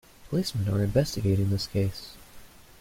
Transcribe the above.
Policemen are investigating in this case.